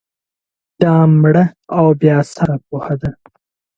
دا مړه او بې اثره پوهه ده